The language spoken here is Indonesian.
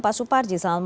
pak suparji selamat malam